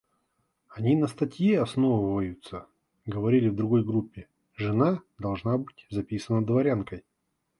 Они на статье основываются, — говорили в другой группе, — жена должна быть записана дворянкой.